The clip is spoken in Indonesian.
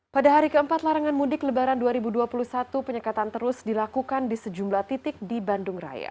pada hari keempat larangan mudik lebaran dua ribu dua puluh satu penyekatan terus dilakukan di sejumlah titik di bandung raya